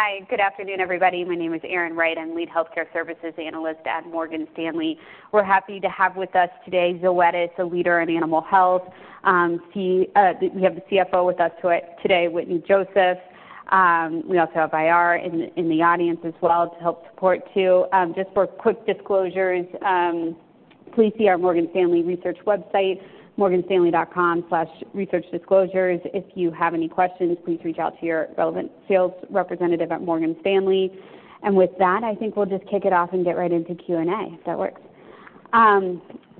Hi, good afternoon, everybody. My name is Erin Wright. I'm Lead Healthcare Services Analyst at Morgan Stanley. We're happy to have with us today, Zoetis, a leader in animal health. We have the CFO with us today, Wetteny Joseph. We also have IR in the audience as well, to help support, too. Just for quick disclosures, please see our Morgan Stanley Research website, morganstanley.com/researchdisclosures. If you have any questions, please reach out to your relevant sales representative at Morgan Stanley. And with that, I think we'll just kick it off and get right into Q&A, if that works.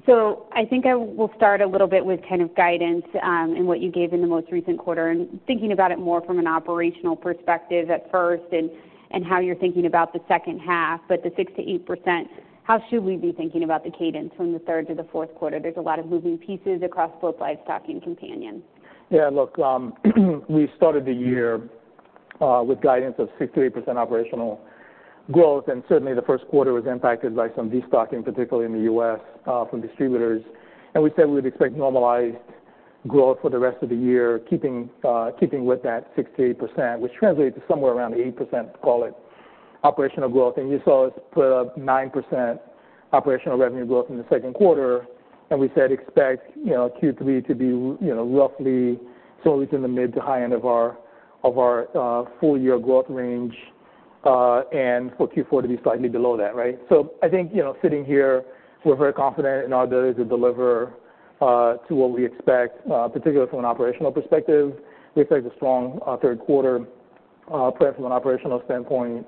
So I think I will start a little bit with kind of guidance, and what you gave in the most recent quarter, and thinking about it more from an operational perspective at first, and how you're thinking about the second half. But the 6%-8%, how should we be thinking about the cadence from the third to the fourth quarter? There's a lot of moving pieces across both livestock and companion. Yeah, look, we started the year with guidance of 6%-8% operational growth, and certainly the first quarter was impacted by some destocking, particularly in the U.S., from distributors. And we said we'd expect normalized growth for the rest of the year, keeping, keeping with that 6%-8%, which translates to somewhere around 8%, call it, operational growth. And you saw us put up 9% operational revenue growth in the second quarter, and we said, expect, you know, Q3 to be, you know, roughly somewhere in the mid to high end of our, of our, full year growth range, and for Q4 to be slightly below that, right? So I think, you know, sitting here, we're very confident in our ability to deliver, to what we expect, particularly from an operational perspective. We expect a strong third quarter, perhaps from an operational standpoint,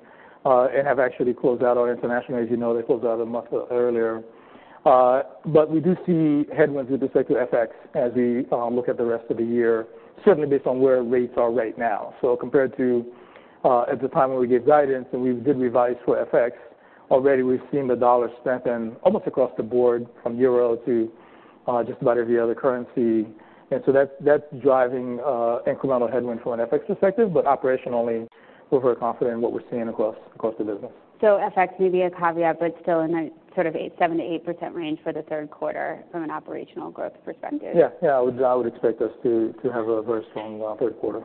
and have actually closed out our international. As you know, they closed out a month earlier. But we do see headwinds with respect to FX as we look at the rest of the year, certainly based on where rates are right now. So compared to at the time when we gave guidance, and we did revise for FX, already we've seen the dollar strengthen almost across the board, from Euro to just about every other currency. And so that's driving incremental headwind from an FX perspective, but operationally, we're very confident in what we're seeing across the business. So FX may be a caveat, but still in a sort of 7%-8% range for the third quarter from an operational growth perspective? Yeah. Yeah, I would, I would expect us to, to have a very strong third quarter.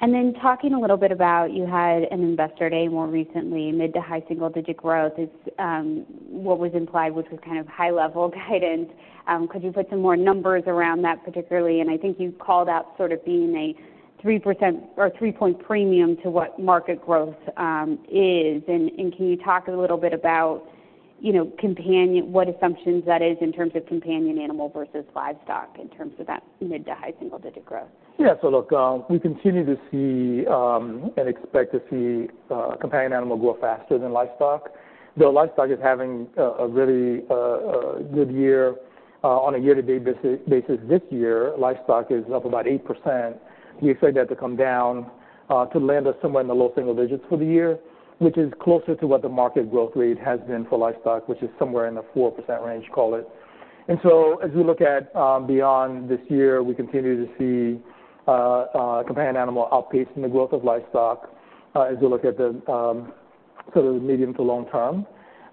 And then talking a little bit about, you had an Investor Day more recently, mid- to high single-digit growth is what was implied, which was kind of high-level guidance. Could you put some more numbers around that particularly? And I think you called out sort of being a 3% or three-point premium to what market growth is. And can you talk a little bit about, you know, companion animal—what assumptions that is in terms of companion animal versus livestock, in terms of that mid- to high single-digit growth? Yeah. So look, we continue to see and expect to see companion animal grow faster than livestock, though livestock is having a very good year on a year-to-date basis. This year, livestock is up about 8%. We expect that to come down to land us somewhere in the low single digits for the year, which is closer to what the market growth rate has been for livestock, which is somewhere in the 4% range, call it. And so as we look at beyond this year, we continue to see companion animal outpacing the growth of livestock as we look at the sort of the medium- to long-term.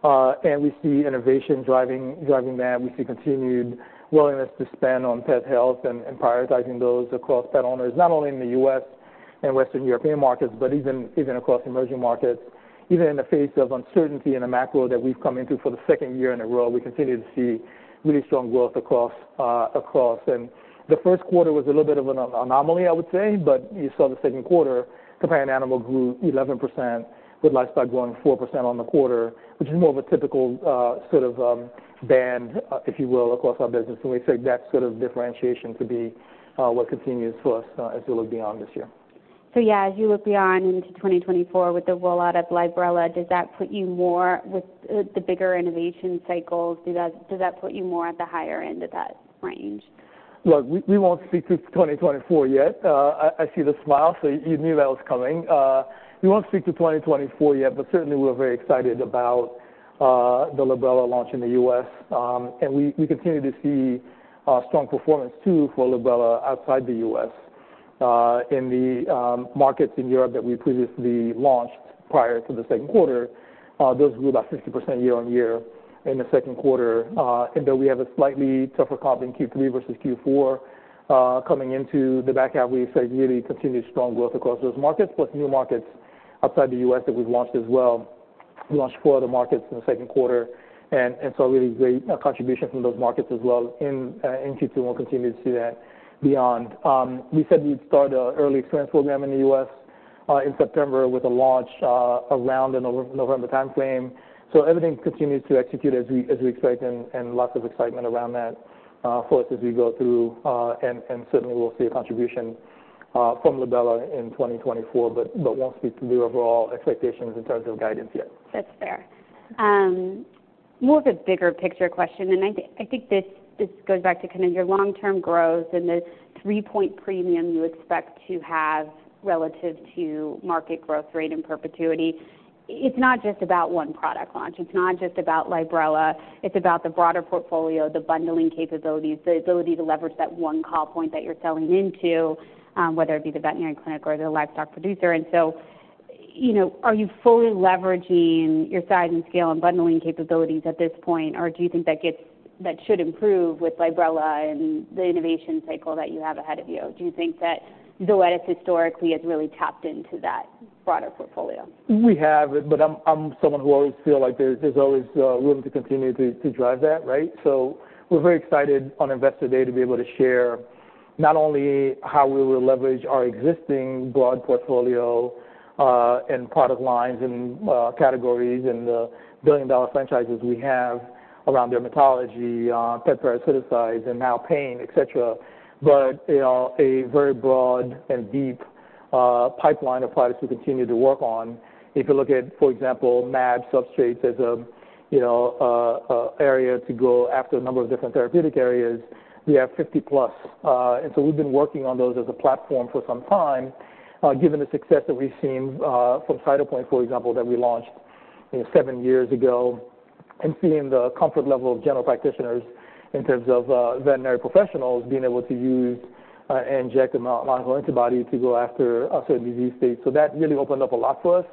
And we see innovation driving that we see continued willingness to spend on pet health and prioritizing those across pet owners, not only in the U.S. and Western European markets, but even across emerging markets. Even in the face of uncertainty in the macro that we've come into for the second year in a row, we continue to see really strong growth across across. And the first quarter was a little bit of an anomaly, I would say, but you saw the second quarter, companion animal grew 11%, with livestock growing 4% on the quarter, which is more of a typical sort of band, if you will, across our business. And we expect that sort of differentiation to be what continues for us as we look beyond this year. So yeah, as you look beyond into 2024 with the rollout of Librela, does that put you more with, the bigger innovation cycles? Does that put you more at the higher end of that range? Look, we won't speak to 2024 yet. I see the smile, so you knew that was coming. We won't speak to 2024 yet, but certainly we're very excited about the Librela launch in the U.S. And we continue to see strong performance, too, for Librela outside the U.S. In the markets in Europe that we previously launched prior to the second quarter, those grew about 50% year-on-year in the second quarter. And though we have a slightly tougher comp in Q3 versus Q4, coming into the back half, we expect really continued strong growth across those markets, plus new markets outside the U.S. that we've launched as well. We launched four other markets in the second quarter, and so really great contribution from those markets as well in Q2, and we'll continue to see that beyond. We said we'd start an early experience program in the U.S. in September with a launch around the November timeframe. So everything continues to execute as we expect, and lots of excitement around that for us as we go through. And certainly we'll see a contribution from Librela in 2024, but won't speak to the overall expectations in terms of guidance yet. That's fair. More of a bigger picture question, and I think this goes back to kind of your long-term growth and the three-point premium you expect to have relative to market growth rate and perpetuity. It's not just about one product launch. It's not just about Librela. It's about the broader portfolio, the bundling capabilities, the ability to leverage that one call point that you're selling into, whether it be the veterinary clinic or the livestock producer. And you know, are you fully leveraging your size and scale and bundling capabilities at this point? Or do you think that gets that should improve with Librela and the innovation cycle that you have ahead of you? Do you think that Zoetis historically has really tapped into that broader portfolio? We have, but I'm someone who always feel like there's always room to continue to drive that, right? So we're very excited on Investor Day to be able to share not only how we will leverage our existing broad portfolio and product lines and categories and the billion-dollar franchises we have around dermatology, parasiticides, and now pain, et cetera. But you know, a very broad and deep pipeline of products we continue to work on. If you look at, for example, mAb substrates as a you know, a area to go after a number of different therapeutic areas, we have 50+. And so we've been working on those as a platform for some time, given the success that we've seen from Cytopoint, for example, that we launched, you know, seven years ago, and seeing the comfort level of general practitioners in terms of veterinary professionals being able to use and inject monoclonal antibody to go after certain disease states. So that really opened up a lot for us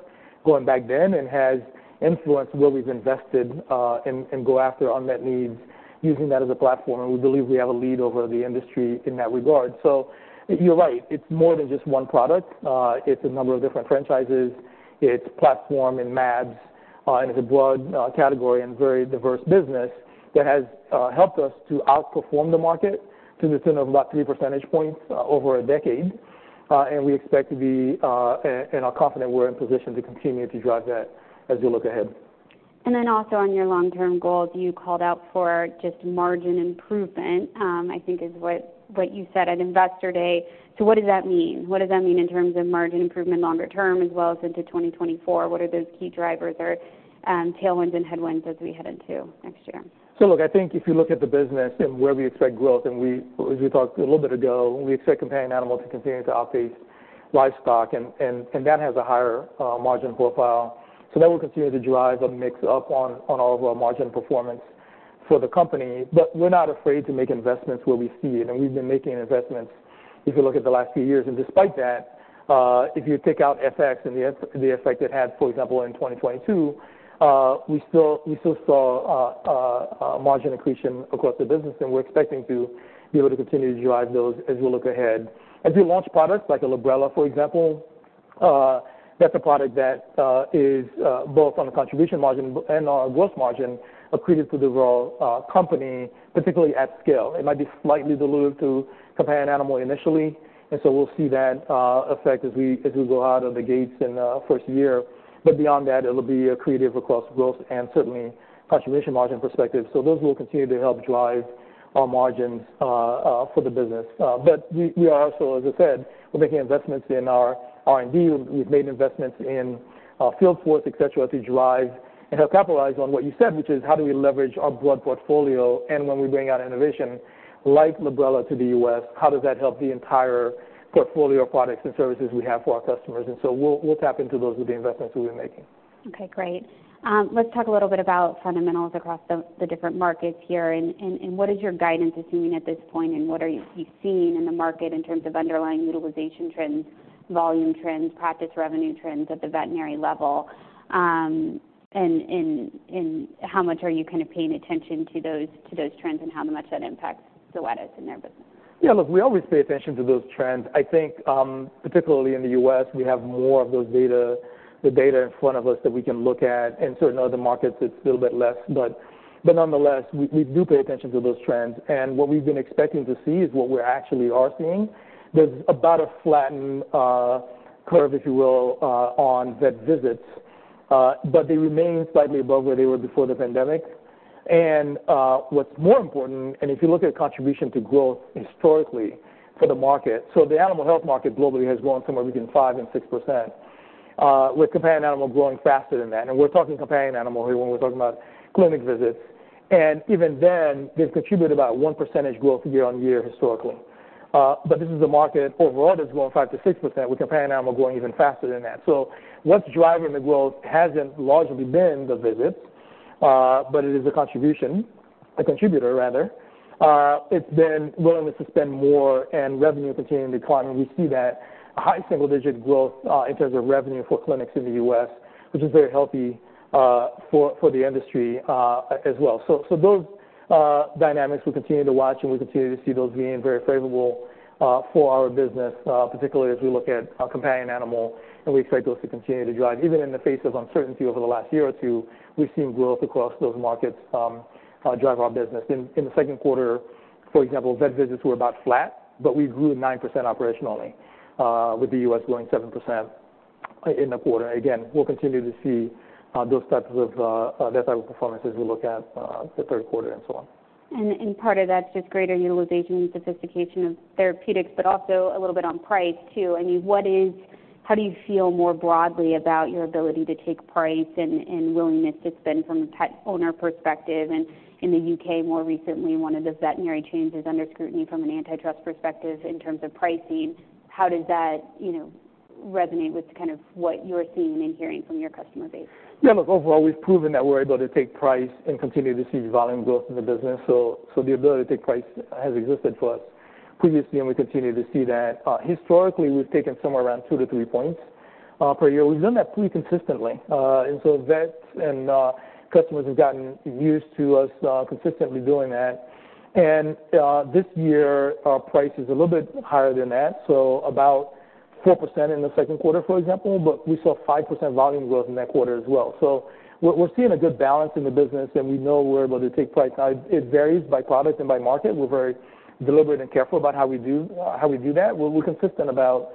going back then, and has influenced where we've invested, and go after unmet needs using that as a platform. And we believe we have a lead over the industry in that regard. So you're right, it's more than just one product. It's a number of different franchises. It's platform and mAbs, and it's a broad category and very diverse business that has helped us to outperform the market to the tune of about three percentage points over a decade. And we expect to be and are confident we're in position to continue to drive that as we look ahead. Then also on your long-term goals, you called out for just margin improvement, I think is what you said at Investor Day. So what does that mean? What does that mean in terms of margin improvement longer term as well as into 2024? What are those key drivers or, tailwinds and headwinds as we head into next year? So look, I think if you look at the business and where we expect growth, and as we talked a little bit ago, we expect companion animals to continue to outpace livestock, and that has a higher margin profile. So that will continue to drive a mix up on all of our margin performance for the company. But we're not afraid to make investments where we see it, and we've been making investments if you look at the last few years. And despite that, if you take out FX and the effect it had, for example, in 2022, we still saw a margin accretion across the business, and we're expecting to be able to continue to drive those as we look ahead. As we launch products like Librela, for example, that's a product that is both on a contribution margin and our gross margin, accretive to the company, particularly at scale. It might be slightly dilutive to companion animal initially, and so we'll see that effect as we go out of the gates in the first year. But beyond that, it'll be accretive across growth and certainly contribution margin perspective. So those will continue to help drive our margins for the business. But we are also, as I said, we're making investments in our R&D. We've made investments in our field force, et cetera, to drive and help capitalize on what you said, which is: How do we leverage our broad portfolio? When we bring out innovation like Librela to the U.S., how does that help the entire portfolio of products and services we have for our customers? So we'll, we'll tap into those with the investments we've been making. Okay, great. Let's talk a little bit about fundamentals across the different markets here. What is your guidance assuming at this point, and what are you seeing in the market in terms of underlying utilization trends, volume trends, practice revenue trends at the veterinary level? How much are you kind of paying attention to those trends and how much that impacts Zoetis and their business? Yeah, look, we always pay attention to those trends. I think, particularly in the U.S., we have more of the data in front of us that we can look at, and certain other markets, it's a little bit less. But nonetheless, we do pay attention to those trends, and what we've been expecting to see is what we actually are seeing. There's about a flattened curve, if you will, on vet visits, but they remain slightly above where they were before the pandemic. And what's more important, and if you look at contribution to growth historically for the market, so the animal health market globally has grown somewhere between 5%-6%, with companion animals growing faster than that. And we're talking companion animal here when we're talking about clinic visits. Even then, they've contributed about 1% growth year-over-year historically. This is a market overall that's grown 5%-6%, with companion animal growing even faster than that. What's driving the growth hasn't largely been the visits, but it is a contributor rather. It's been willingness to spend more and revenue continuing to climb, and we see that high single-digit growth in terms of revenue for clinics in the U.S., which is very healthy for the industry as well. Those dynamics we continue to watch, and we continue to see those being very favorable for our business, particularly as we look at companion animal, and we expect those to continue to drive. Even in the face of uncertainty over the last year or two, we've seen growth across those markets, drive our business. In the second quarter, for example, vet visits were about flat, but we grew 9% operationally, with the U.S. growing 7% in the quarter. Again, we'll continue to see those types of vet performances as we look at the third quarter and so on. And part of that's just greater utilization and sophistication of therapeutics, but also a little bit on price, too. I mean, how do you feel more broadly about your ability to take price and willingness to spend from a pet owner perspective? And in the U.K., more recently, one of the veterinary chains is under scrutiny from an antitrust perspective in terms of pricing. How does that, you know, resonate with kind of what you're seeing and hearing from your customer base? Yeah, look, overall, we've proven that we're able to take price and continue to see volume growth in the business. So the ability to take price has existed for us previously, and we continue to see that. Historically, we've taken somewhere around two-three points per year. We've done that pretty consistently. And so vets and customers have gotten used to us consistently doing that. And this year, our price is a little bit higher than that, so about 4% in the second quarter, for example, but we saw 5% volume growth in that quarter as well. So we're seeing a good balance in the business, and we know we're able to take price. Now, it varies by product and by market. We're very deliberate and careful about how we do that. We're consistent about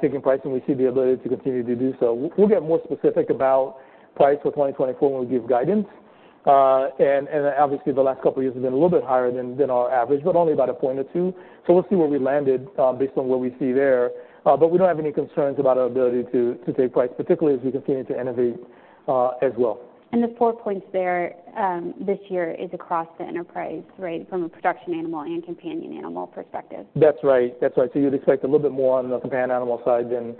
taking price, and we see the ability to continue to do so. We'll get more specific about price for 2024 when we give guidance. And obviously, the last couple of years have been a little bit higher than our average, but only about a point or two. So we'll see where we landed, based on what we see there. But we don't have any concerns about our ability to take price, particularly as we continue to innovate, as well. The four points there, this year is across the enterprise, right? From a production animal and companion animal perspective. That's right. That's right. So you'd expect a little bit more on the companion animal side than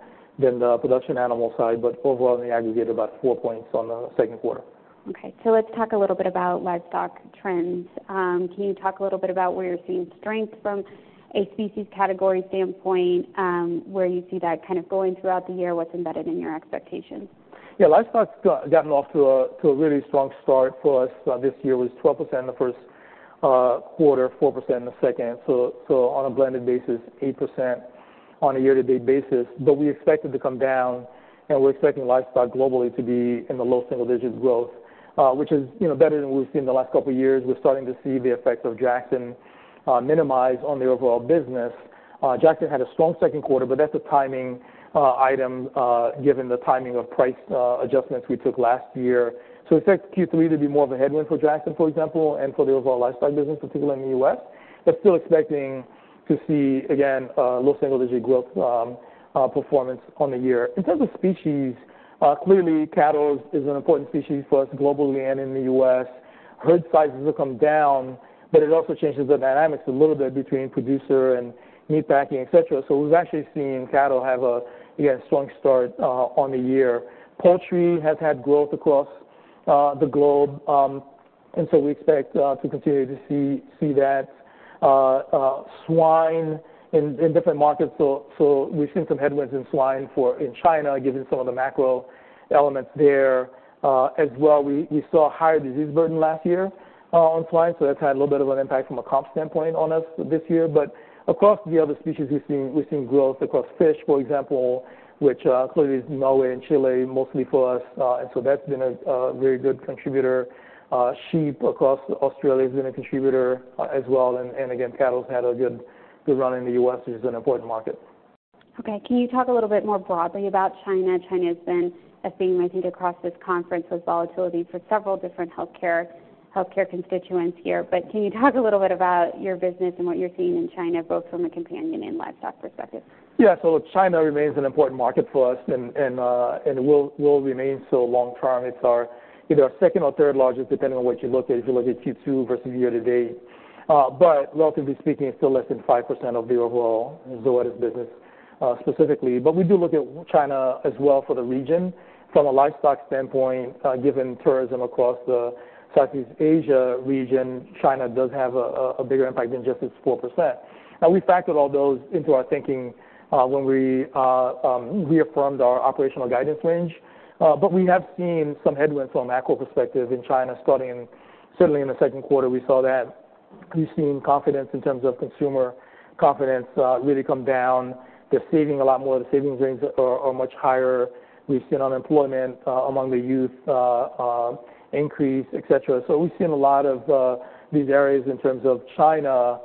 the production animal side, but overall, in the aggregate, about four points on the second quarter. Okay, so let's talk a little bit about livestock trends. Can you talk a little bit about where you're seeing strength from a species category standpoint, where you see that kind of going throughout the year? What's embedded in your expectations? Yeah, livestock's gotten off to a to a really strong start for us. This year was 12% in the first quarter, 4% in the second. So on a blended basis, 8% on a year-to-date basis. But we expect it to come down, and we're expecting livestock globally to be in the low single digits growth, which is, you know, better than we've seen in the last couple of years. We're starting to see the effect of destocking minimizing on the overall business. Destocking had a strong second quarter, but that's a timing item given the timing of price adjustments we took last year. So we expect Q3 to be more of a headwind for destocking, for example, and for the overall livestock business, particularly in the U.S. But still expecting to see, again, low single-digit growth, performance on the year. In terms of species, clearly, cattle is an important species for us globally and in the U.S. Herd sizes have come down, but it also changes the dynamics a little bit between producer and meat packing, et cetera. So we've actually seen cattle have a, again, strong start, on the year. Poultry has had growth across, the globe, and so we expect, to continue to see, see that. Swine in, in different markets, so, so we've seen some headwinds in swine for... In China, given some of the macro elements there. As well, we, we saw a higher disease burden last year, on swine, so that's had a little bit of an impact from a comp standpoint on us this year. But across the other species, we've seen, we've seen growth across fish, for example, which clearly is Norway and Chile, mostly for us. And so that's been a very good contributor. Sheep across Australia has been a contributor, as well. And again, cattle's had a good run in the U.S., which is an important market. Okay, can you talk a little bit more broadly about China? China has been a theme, I think, across this conference, with volatility for several different healthcare, healthcare constituents here. But can you talk a little bit about your business and what you're seeing in China, both from a companion and livestock perspective? Yeah. So China remains an important market for us and will remain so long term. It's our either our second or third largest, depending on what you look at, if you look at Q2 versus year to date. But relatively speaking, it's still less than 5% of the overall Zoetis business, specifically. But we do look at China as well for the region. From a livestock standpoint, given tourism across the Southeast Asia region, China does have a bigger impact than just its 4%. And we factored all those into our thinking when we reaffirmed our operational guidance range. But we have seen some headwinds from a macro perspective in China starting, certainly in the second quarter, we saw that. We've seen confidence in terms of consumer confidence really come down. They're saving a lot more. The savings rates are much higher. We've seen unemployment among the youth increase, et cetera. So we've seen a lot of these areas in terms of China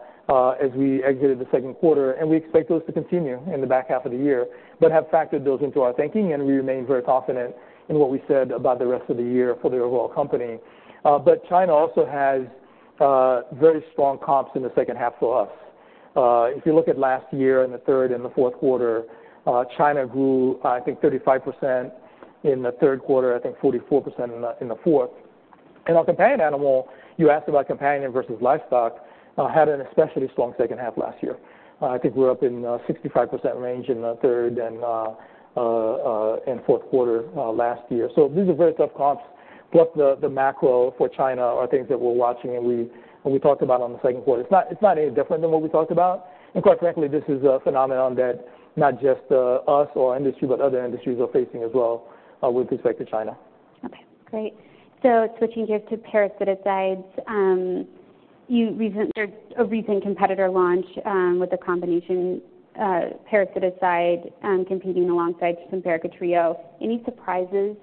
as we exited the second quarter, and we expect those to continue in the back half of the year, but have factored those into our thinking, and we remain very confident in what we said about the rest of the year for the overall company. But China also has very strong comps in the second half for us. If you look at last year in the third and the fourth quarter, China grew, I think, 35% in the third quarter, I think 44% in the fourth. Our companion animal, you asked about companion versus livestock, had an especially strong second half last year. I think we were up in 65% range in the third and fourth quarter last year. So these are very tough comps, plus the macro for China are things that we're watching and we talked about on the second quarter. It's not any different than what we talked about, and quite frankly, this is a phenomenon that not just us or industry, but other industries are facing as well with respect to China. Okay, great. So switching gears to parasiticides, there's a recent competitor launch with a combination parasiticide competing alongside Simparica Trio. Any surprises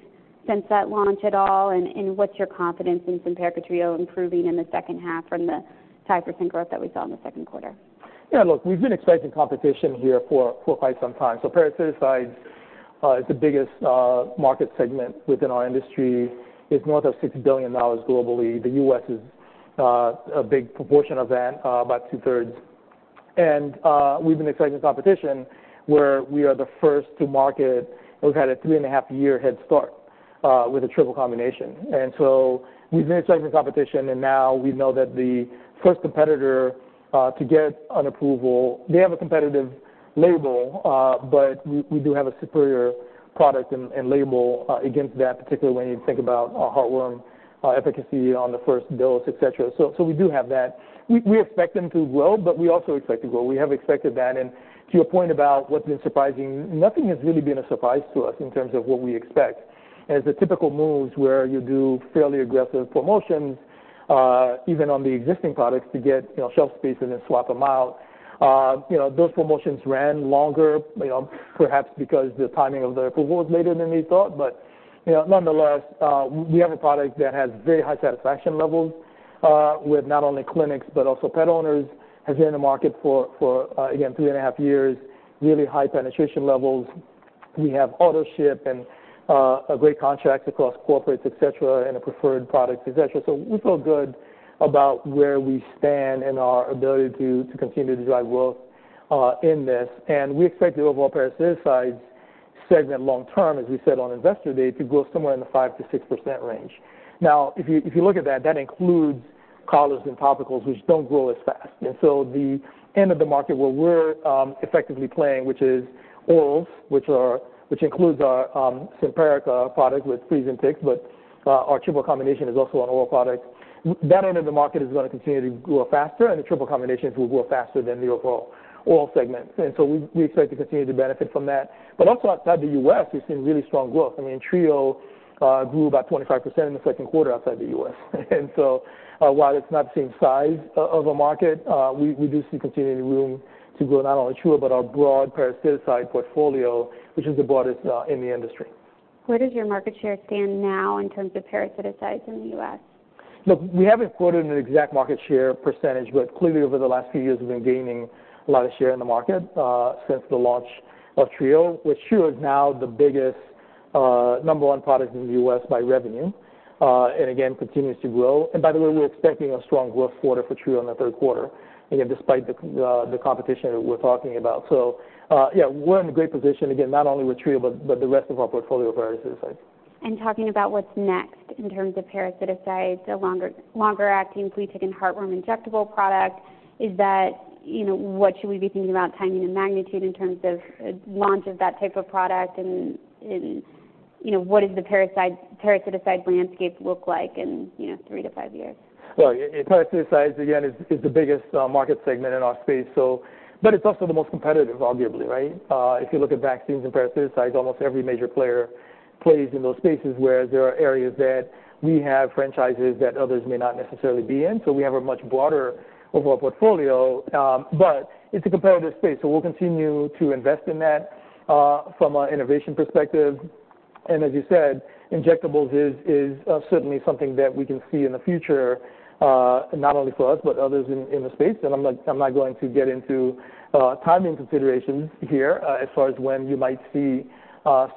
since that launch at all, and what's your confidence in Simparica Trio improving in the second half from the 5% growth that we saw in the second quarter? Yeah, look, we've been expecting competition here for quite some time. So parasiticides is the biggest market segment within our industry. It's north of $60 billion globally. The U.S. is a big proportion of that, about 2/3. And we've been expecting competition where we are the first to market, and we've had a three and a half year head start with a triple combination. And so we've made segment competition, and now we know that the first competitor to get an approval, they have a competitive label, but we do have a superior product and label against that, particularly when you think about a heartworm efficacy on the first dose, et cetera. So we do have that. We expect them to grow, but we also expect to grow. We have expected that, and to your point about what's been surprising, nothing has really been a surprise to us in terms of what we expect. As the typical moves where you do fairly aggressive promotions, even on the existing products, to get, you know, shelf space and then swap them out. You know, those promotions ran longer, you know, perhaps because the timing of the approval was later than we thought. But, you know, nonetheless, we have a product that has very high satisfaction levels, with not only clinics, but also pet owners, has been in the market for again, three and a half years, really high penetration levels. We have autoship and, a great contract across corporates, et cetera, and a preferred product, et cetera. So we feel good about where we stand and our ability to, to continue to drive growth, in this. And we expect the overall parasiticides segment long term, as we said on Investor Day, to grow somewhere in the 5%-6% range. Now, if you, if you look at that, that includes collars and topicals, which don't grow as fast. And so the end of the market where we're, effectively playing, which is orals, which includes our, Simparica product with fleas and ticks, but, our triple combination is also an oral product. That end of the market is going to continue to grow faster, and the triple combinations will grow faster than the overall oral segment. And so we, we expect to continue to benefit from that. But also outside the U.S., we've seen really strong growth. I mean, Trio grew about 25% in the second quarter outside the U.S. And so, while it's not the same size of a market, we do see continuing room to grow, not only Trio, but our broad parasiticide portfolio, which is the broadest in the industry. Where does your market share stand now in terms of parasiticides in the U.S.? Look, we haven't quoted an exact market share percentage, but clearly, over the last few years, we've been gaining a lot of share in the market, since the launch of Trio, which Trio is now the biggest, number one product in the U.S. by revenue, and again, continues to grow. And by the way, we're expecting a strong growth quarter for Trio in the third quarter, again, despite the, the competition that we're talking about. So, yeah, we're in a great position again, not only with Trio, but, but the rest of our portfolio of parasiticides. Talking about what's next in terms of parasiticides, a longer, longer-acting flea, tick, and heartworm injectable product, is that, you know, what should we be thinking about timing and magnitude in terms of launch of that type of product? And you know, what does the parasite- parasiticide landscape look like in, you know, three-five years? Well, parasiticides, again, is the biggest market segment in our space, so... But it's also the most competitive, arguably, right? If you look at vaccines and parasiticides, almost every major player plays in those spaces, where there are areas that we have franchises that others may not necessarily be in. So we have a much broader overall portfolio, but it's a competitive space, so we'll continue to invest in that, from an innovation perspective. And as you said, injectables is certainly something that we can see in the future, not only for us, but others in the space. And I'm not going to get into timing considerations here, as far as when you might see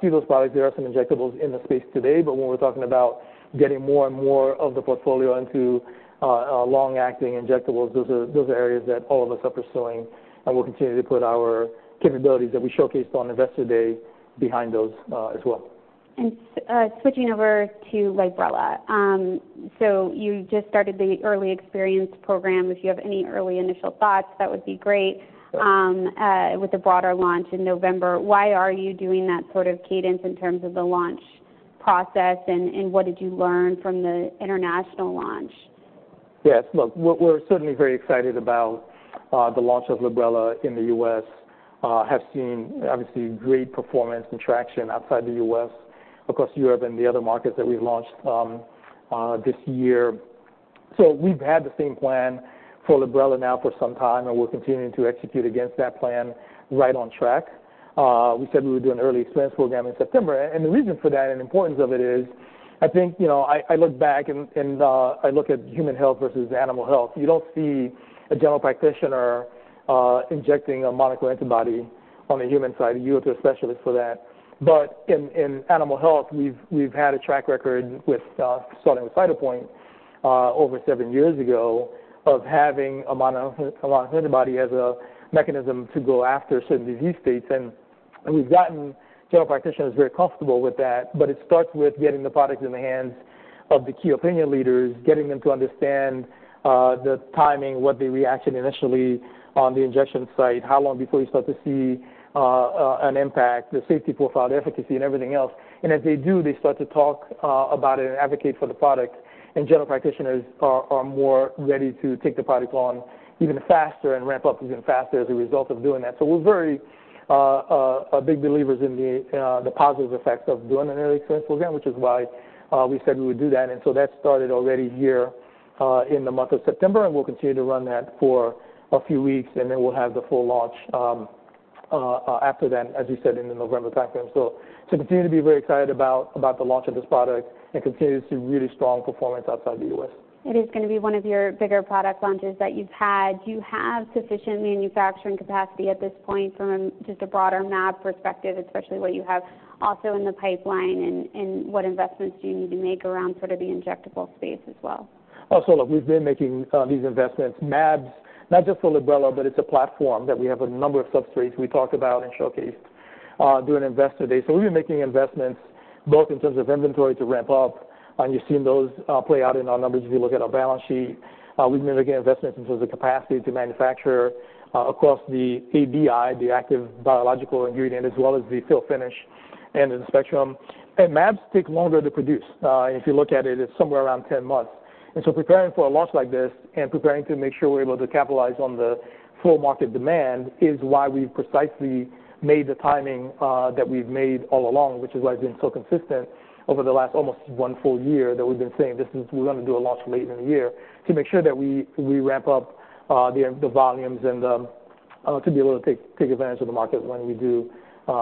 those products. There are some injectables in the space today, but when we're talking about getting more and more of the portfolio into long-acting injectables, those are areas that all of us are pursuing, and we'll continue to put our capabilities that we showcased on Investor Day behind those, as well. Switching over to Librela. So you just started the early experience program. If you have any early initial thoughts, that would be great. Sure. With the broader launch in November, why are you doing that sort of cadence in terms of the launch process, and what did you learn from the international launch? Yes. Look, we're certainly very excited about the launch of Librela in the U.S. Have seen obviously great performance and traction outside the U.S., across Europe and the other markets that we've launched this year. So we've had the same plan for Librela now for some time, and we're continuing to execute against that plan right on track. We said we would do an early experience program in September, and the reason for that and importance of it is, I think, you know, I look back and I look at human health versus animal health. You don't see a general practitioner injecting a monoclonal antibody on the human side. You go to a specialist for that. But in animal health, we've had a track record with starting with Cytopoint over seven years ago, of having a monoclonal antibody as a mechanism to go after certain disease states. And we've gotten general practitioners very comfortable with that, but it starts with getting the product in the hands of the key opinion leaders, getting them to understand the timing, what the reaction initially on the injection site, how long before you start to see an impact, the safety profile, the efficacy and everything else. And as they do, they start to talk about it and advocate for the product, and general practitioners are more ready to take the product on even faster and ramp up even faster as a result of doing that. So we're very big believers in the positive effects of doing an early experience program, which is why we said we would do that. And so that started already here in the month of September, and we'll continue to run that for a few weeks, and then we'll have the full launch after then, as you said, in the November timeframe. So continue to be very excited about the launch of this product and continue to see really strong performance outside the U.S. It is going to be one of your bigger product launches that you've had. Do you have sufficient manufacturing capacity at this point from just a broader mAb perspective, especially what you have also in the pipeline, and what investments do you need to make around sort of the injectable space as well? Oh, so look, we've been making these investments, mAbs, not just for Librela, but it's a platform that we have a number of substrates we talked about and showcased do an investor day. So we've been making investments both in terms of inventory to ramp up, and you've seen those play out in our numbers. If you look at our balance sheet, we've made, again, investments in terms of capacity to manufacture across the ABI, the Active Biological Ingredient, as well as the fill-finish end of the spectrum. And mAbs take longer to produce. If you look at it, it's somewhere around 10 months. And so, preparing for a launch like this and preparing to make sure we're able to capitalize on the full market demand is why we've precisely made the timing that we've made all along, which is why it's been so consistent over the last almost one full year that we've been saying we're gonna do a launch late in the year to make sure that we ramp up the volumes and to be able to take advantage of the market when we do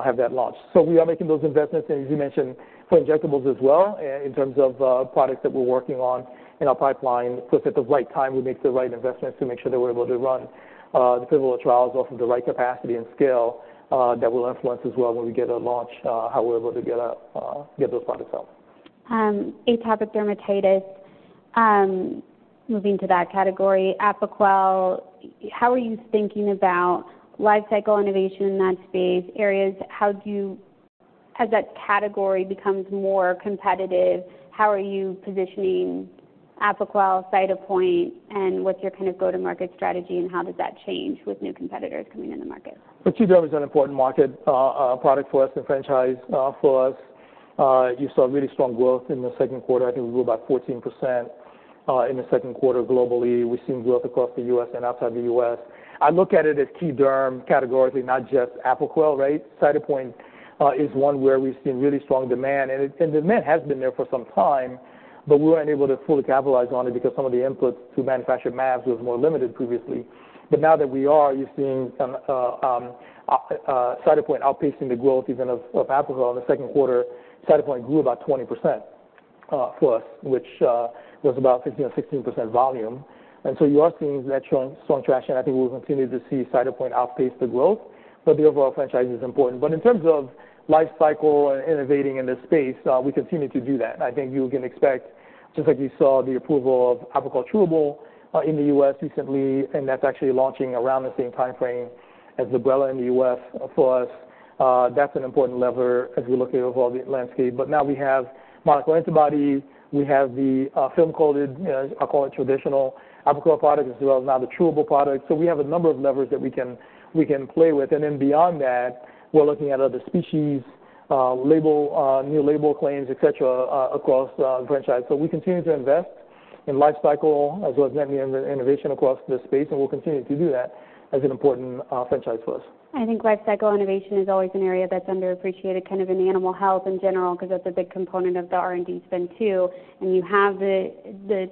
have that launch. We are making those investments, and as you mentioned, for injectables as well, in terms of products that we're working on in our pipeline, so that at the right time, we make the right investments to make sure that we're able to run the pivotal trials off of the right capacity and scale, that will influence as well when we get a launch, how we're able to get those products out. Atopic dermatitis, moving to that category, Apoquel, how are you thinking about lifecycle innovation in that space? As that category becomes more competitive, how are you positioning Apoquel, Cytopoint, and what's your kind of go-to-market strategy, and how does that change with new competitors coming in the market? Well, key derm is an important market, product for us and franchise for us. You saw really strong growth in the second quarter. I think we grew by 14% in the second quarter globally. We've seen growth across the U.S. and outside the U.S. I look at it as key derm categorically, not just Apoquel, right? Cytopoint is one where we've seen really strong demand, and it, and demand has been there for some time, but we weren't able to fully capitalize on it because some of the inputs to manufacture mAbs was more limited previously. But now that we are, you're seeing some Cytopoint outpacing the growth even of Apoquel. In the second quarter, Cytopoint grew about 20% for us, which was about 15% or 16% volume. And so you are seeing that strong, strong traction. I think we'll continue to see Cytopoint outpace the growth, but the overall franchise is important. But in terms of lifecycle and innovating in this space, we continue to do that. I think you can expect, just like you saw, the approval of Apoquel Chewable in the U.S. recently, and that's actually launching around the same timeframe as Librela in the U.S. for us. That's an important lever as we look at the evolving landscape. But now we have monoclonal antibodies. We have the film-coated, I call it traditional Apoquel products, as well as now the chewable products. So we have a number of levers that we can, we can play with. And then beyond that, we're looking at other species, label, new label claims, et cetera, across the franchise. We continue to invest in lifecycle as well as many other innovation across the space, and we'll continue to do that as an important franchise for us. I think lifecycle innovation is always an area that's underappreciated, kind of in animal health in general, 'cause that's a big component of the R&D spend, too. You have the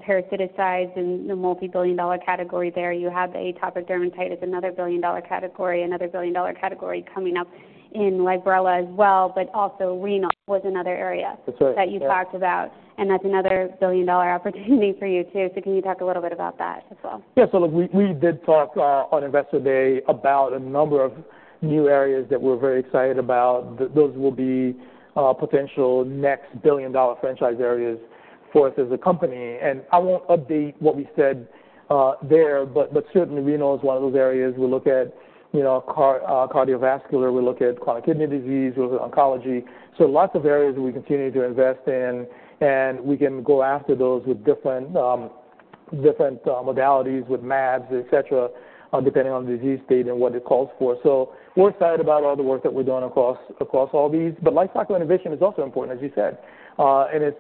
parasiticides and the multibillion-dollar category there. You have atopic dermatitis, another billion-dollar category, another billion-dollar category coming up in Librela as well, but also renal was another area- That's right. -that you talked about, and that's another billion-dollar opportunity for you, too. So can you talk a little bit about that as well? Yeah. So look, we, we did talk on Investor Day about a number of new areas that we're very excited about. Those will be potential next billion-dollar franchise areas for us as a company. And I won't update what we said there, but certainly, renal is one of those areas. We look at, you know, cardiovascular. We look at chronic kidney disease, we look at oncology. So lots of areas we continue to invest in, and we can go after those with different modalities, with mAbs, et cetera, depending on the disease state and what it calls for. So we're excited about all the work that we're doing across all these. But lifecycle innovation is also important, as you said, and it's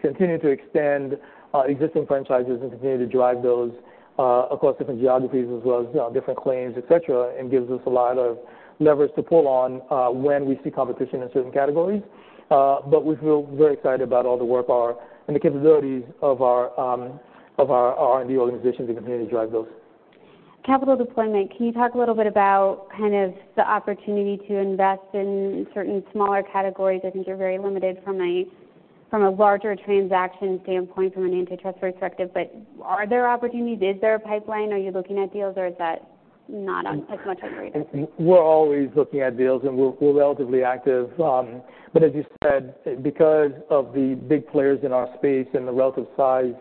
continuing to extend existing franchises and continuing to drive those across different geographies as well as, you know, different claims, et cetera. It gives us a lot of levers to pull on when we see competition in certain categories. But we feel very excited about all the work our and the capabilities of our of our R&D organization to continue to drive those. Capital deployment, can you talk a little bit about kind of the opportunity to invest in certain smaller categories? I think you're very limited from a, from a larger transaction standpoint, from an antitrust perspective, but are there opportunities? Is there a pipeline? Are you looking at deals, or is that not as much a priority? We're always looking at deals, and we're relatively active. But as you said, because of the big players in our space and the relative size,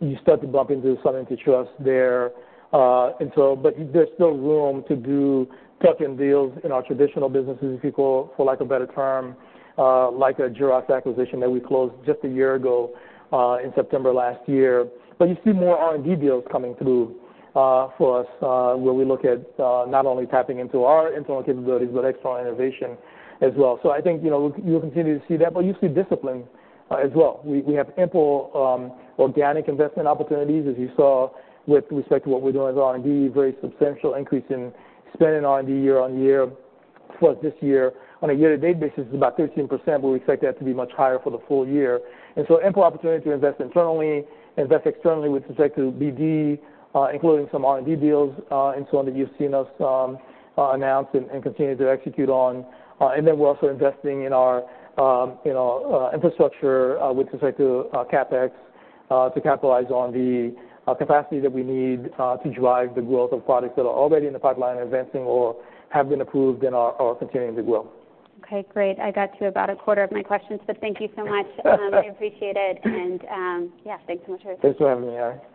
you start to bump into some antitrust there. And so, but there's still room to do tuck-in deals in our traditional businesses, if you go, for lack of a better term, like a Jurox acquisition that we closed just a year ago, in September last year. But you see more R&D deals coming through, for us, where we look at, not only tapping into our internal capabilities, but external innovation as well. So I think, you know, you'll continue to see that, but you see discipline, as well. We have ample, organic investment opportunities, as you saw with respect to what we're doing with R&D, very substantial increase in spending R&D year on year. Plus, this year, on a year-to-date basis, is about 13%, but we expect that to be much higher for the full year. And so ample opportunity to invest internally, invest externally with respect to BD, including some R&D deals, and some that you've seen us announce and continue to execute on. And then we're also investing in our, you know, infrastructure, with respect to CapEx, to capitalize on the capacity that we need to drive the growth of products that are already in the pipeline and advancing or have been approved and are continuing to grow. Okay, great. I got to about a quarter of my questions, but thank you so much. I appreciate it, and, yeah, thanks so much for your time. Thanks for having me, Erin.